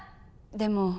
でも